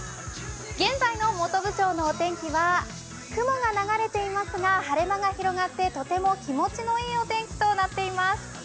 現在の本部町のお天気は雲が流れていますが、晴れ間が広がってとても気持ちのいいお天気となっています。